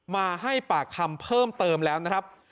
มาให้ปากคำเพิ่มเติมแล้วนะครับ